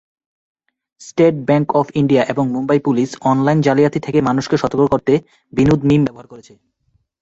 State Bank of India এবং Mumbai police online জালিয়াতি থেকে মানুষকে সতর্ক করতে বিনোদ মিম ব্যবহার করেছে।